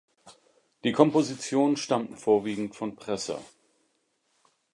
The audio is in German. Die Kompositionen stammten vorwiegend von Presser.